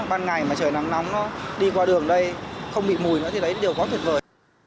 ban ngày mà trời nắng nóng nó đi qua đường đây không bị mùi nữa thì đấy điều quá tuyệt vời